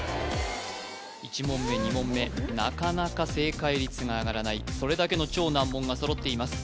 １問目２問目なかなか正解率が上がらないそれだけの超難問が揃っています